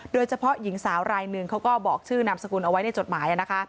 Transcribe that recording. โดยเฉพาะหญิงสาวรายหนึ่งเขาก็บอกชื่อนามสกุลเอาไว้ในจดหมาย